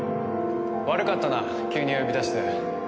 悪かったな急に呼び出して。